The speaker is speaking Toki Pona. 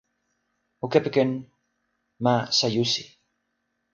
o kepeken "ma Sajusi".